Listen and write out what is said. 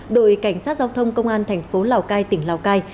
đội cảnh sát giao thông công an thành phố lào cai tỉnh lào cai